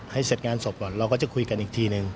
เสร็จงานศพก่อนเราก็จะคุยกันอีกทีนึง